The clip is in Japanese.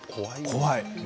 怖い。